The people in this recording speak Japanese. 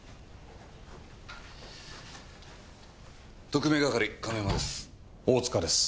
特命係亀山です。